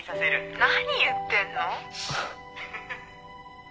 何言ってんの。